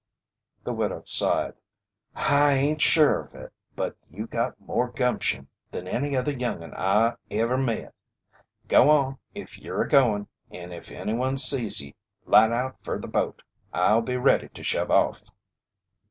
The widow sighed. "I hain't sure of it, but you got more gumpshun than any other young'un I ever met. Go on if ye'r a goin', and if anyone sees ye, light out fer the boat. I'll be ready to shove off."